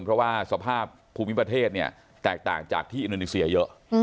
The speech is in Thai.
เพราะว่าสภาพภูมิประเทศเนี่ยแตกต่างจากที่อินโดนีเซียเยอะ